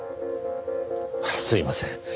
ああすいません。